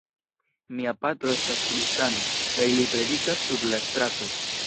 Mia patro estas kristano kaj li predikas sur la strato.